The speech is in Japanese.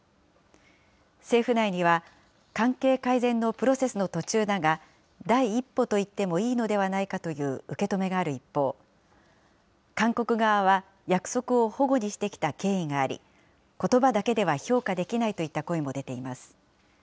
政府内には、関係改善のプロセスの途中だが、第一歩と言ってもいいのではないかという受け止めがある一方、韓国側は約束をほごにしてきた経緯があり、ことばだけでは評価できないといった声も出ています。